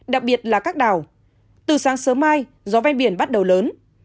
đặc biệt là các đảo từ sáng sớm mai gió ven biển bắt đầu lớn